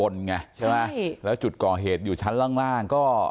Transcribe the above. แล้วจุดก่อเหตุอยู่ชั้นล่าง